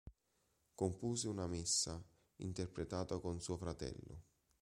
Compose una messa, interpretata con suo fratello.